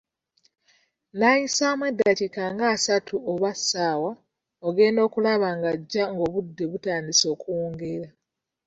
Nayisaamu eddakiika ng'asatu oba ssaawa, ogenda okulaba ng'ajja ng'obudde butandise okuwungeera.